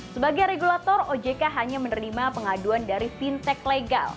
sebagai regulator ojk hanya menerima pengaduan dari fintech legal